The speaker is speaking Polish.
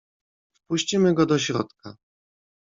"Wpuścimy go do środka."